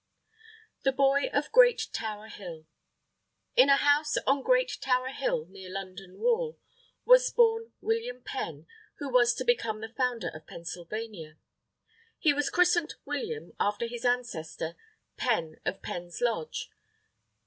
THE BOY OF GREAT TOWER HILL In a house on Great Tower Hill near London Wall, was born William Penn, who was to become the Founder of Pennsylvania. He was christened William after his ancestor, Penn of Penn's Lodge.